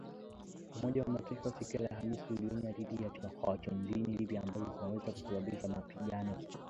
Umoja wa Mataifa siku ya Alhamisi ulionya dhidi ya “chokochoko” nchini Libya ambazo zinaweza kusababisha mapigano.